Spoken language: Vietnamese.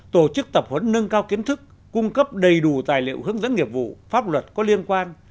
tổ chức tập huấn nâng cao kiến thức cung cấp đầy đủ tài liệu hướng dẫn nghiệp vụ pháp luật có liên quan